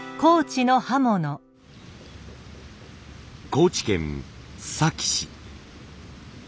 高知県須崎市。